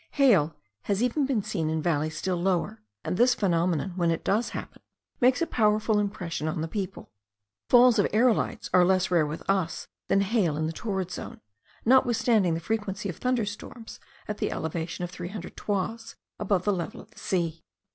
Hail has even been seen in valleys still lower; and this phenomenon, when it does happen, makes a powerful impression on the people. Falls of aerolites are less rare with us than hail in the torrid zone, notwithstanding the frequency of thunder storms at the elevation of three hundred toises above the level of the sea.